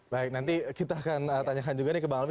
baik nanti kita akan tanyakan juga nih ke bang alvin